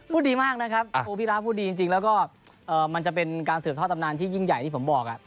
ดีมากนะครับโอ้พี่ระพูดดีจริงแล้วก็มันจะเป็นการสืบทอดตำนานที่ยิ่งใหญ่ที่ผมบอก